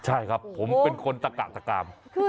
ใช่ครับผมเป็นคนตะกะตะกาม